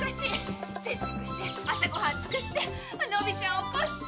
洗濯して朝ごはん作ってのびちゃんを起こして。